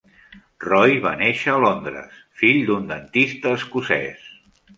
Roy va néixer a Londres, fill d'un dentista escocès.